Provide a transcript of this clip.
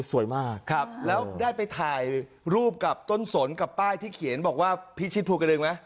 สวยมากครับแล้วได้ไปถ่ายรูปกับต้นสนกับป้ายที่เขียนบอกว่าพิชิตภูกระดึงไหม